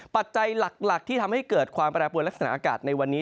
ปัจจัยหลักที่ทำให้เกิดความประแบบวลาศนาอากาศในวันนี้